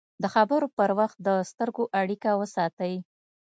د خبرو پر وخت د سترګو اړیکه وساتئ